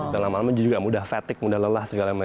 dalam hal juga mudah fatigue mudah lelah segala macam